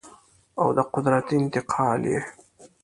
او د قدرت انتقال یې